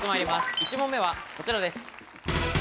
１問目は、こちらです。